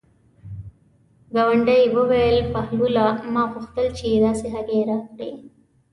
ګاونډي یې وویل: بهلوله ما غوښتل چې داسې هګۍ راکړې.